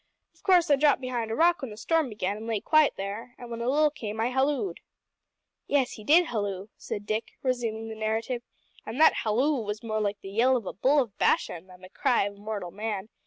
Of course I dropped behind a rock when the storm began and lay quiet there, and when a lull came I halloo'd." "Yes, he did halloo," said Dick, resuming the narrative, "an' that halloo was more like the yell of a bull of Bashan than the cry of a mortal man.